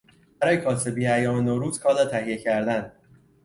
برای کاسبی ایام نوروز کالا تهیه کردن